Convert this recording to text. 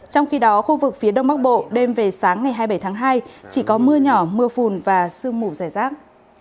trong khi đó khu vực phía đông bắc bộ đêm về sáng ngày hai mươi bảy tháng hai chỉ có mưa nhỏ mưa phùn và sương mù rải rác